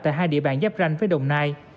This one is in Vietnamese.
tại hai địa bàn giáp ranh với đồng nai